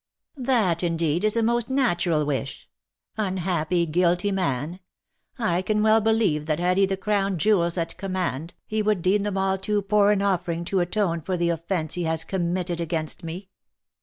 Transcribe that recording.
" That indeed is a most natural wish ! Unhappy, guilty man ! I can well believe that had he the crown jewels at command, he would deem them all too poor an offering to atone for the offence he has com mitted against me